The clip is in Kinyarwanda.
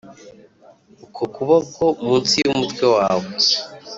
uku kuboko munsi yumutwe wawe!